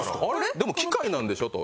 でも機械なんでしょ？と。